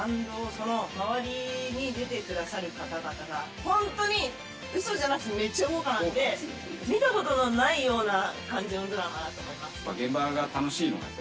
＆その周りに出てくださる方々が、本当にうそじゃなくてめっちゃ豪華なんで、見たことのないような感じのドラマだと思います。